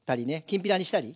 きんぴらにしたり。